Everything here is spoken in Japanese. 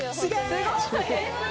すごい！